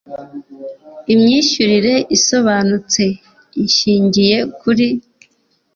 imyishyurire isobanutse ishyingiye kuri